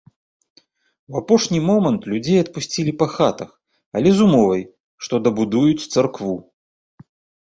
У апошні момант людзей адпусцілі па хатах, але з умовай, што дабудуюць царкву.